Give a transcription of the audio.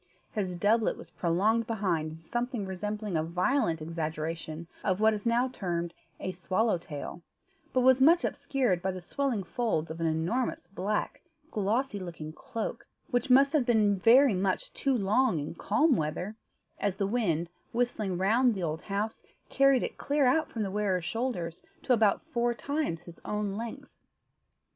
His doublet was prolonged behind into something resembling a violent exaggeration of what is now termed a "swallow tail," but was much obscured by the swelling folds of an enormous black, glossy looking cloak, which must have been very much too long in calm weather, as the wind, whistling round the old house, carried it clear out from the wearer's shoulders to about four times his own length.